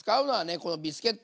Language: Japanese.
このビスケット。